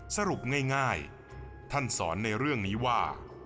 สรุปง่ายท่านสอนในเรื่องนี้ว่า